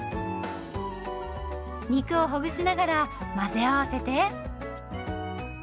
肉をほぐしながら混ぜ合わせて。